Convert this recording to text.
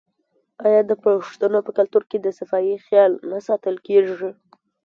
آیا د پښتنو په کلتور کې د صفايي خیال نه ساتل کیږي؟